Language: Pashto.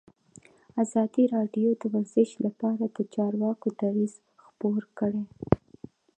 ازادي راډیو د ورزش لپاره د چارواکو دریځ خپور کړی.